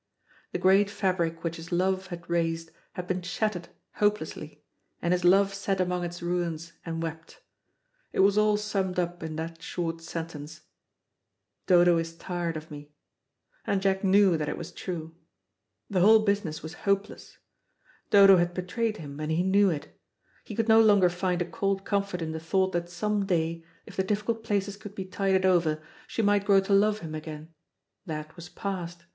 The great fabric which his love had raised had been shattered hopelessly, and his love sat among its ruins and wept. It was all summed up in that short sentence, "Dodo is tired of me," and Jack knew that it was true. The whole business was hopeless. Dodo had betrayed him, and he knew it. He could no longer find a cold comfort in the thought that some day, if the difficult places could be tided over, she might grow to love him again. That was past.